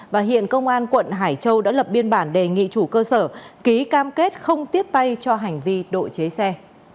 và hiện công an quận hải châu đã lập biên bản đề nghị chủ cơ sở ký cam kết không tiếp tay cho hành vi độ chế xe